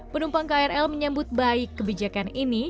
penumpang krl menyambut baik kebijakan ini